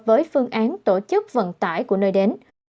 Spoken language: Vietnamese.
với phương án tổ chức vận tải của nơi đến